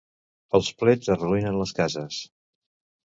Els plets arruïnen les cases.